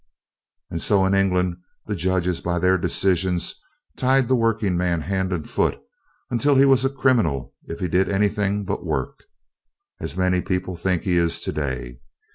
And so in England the judges by their decisions tied the working man hand and foot until he was a criminal if he did anything but work, as many people think he is today.